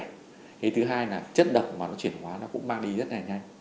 cái thứ hai là chất độc mà nó chuyển hóa nó cũng mang đi rất là nhanh